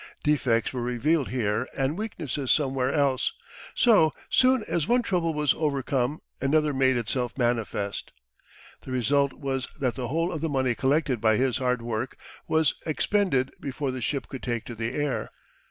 Defects were revealed here and weaknesses somewhere else. So soon as one trouble was overcome another made itself manifest. The result was that the whole of the money collected by his hard work was expended before the ship could take to the air.